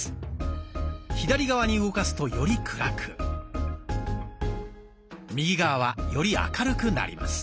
左側に動かすとより暗く右側はより明るくなります。